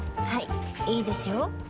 はいいいですよ。